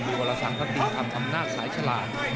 ดีกว่าละสังคติทำคำนาจสายฉลาด